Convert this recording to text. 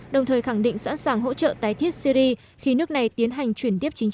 đồng thời khẳng định sẵn sàng hỗ trợ tái thiết syri khi nước này tiến vào